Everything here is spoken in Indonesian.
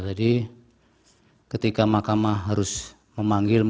jadi ketika mahkamah harus memanggil